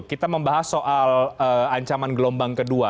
kita membahas soal ancaman gelombang kedua